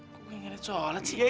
kok gue gak nyat sholat sih